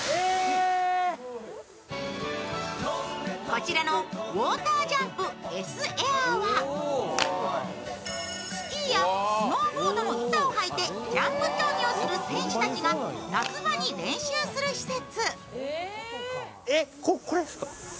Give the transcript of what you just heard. こちらのＷＡＴＥＲＪＵＭＰＳ−ａｉｒはスキーやスノーボードの板をはいてジャンプ競技をする選手たちが夏場に練習する施設。